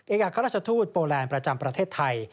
เอกราชทูตสาธารณรัฐโปแลนด์ประเทศไทย